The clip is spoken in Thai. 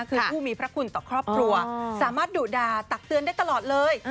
คือผู้มีพระคุณต่อครอบครัวสามารถดุดาตักเตือนได้ตลอดเลย